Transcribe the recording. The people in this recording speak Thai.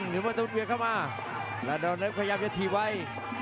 ลิวเมาตุ้นเบียกเข้ามาพลาดอลเล็กพยายามจะถี่ไว้